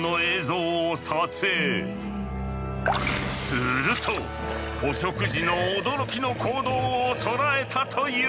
すると捕食時の驚きの行動を捉えたという。